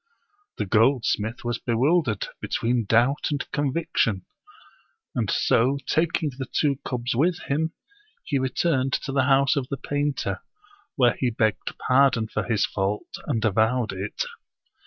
The goldsmith was bewildered between doubt and convic tion ; and so taking the two cubs with him, he returned to the house of the painter, where he begged pardon for his fault, and avowed it.